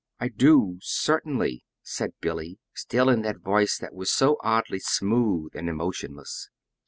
"I do, certainly," said Billy, still in that voice that was so oddly smooth and emotionless.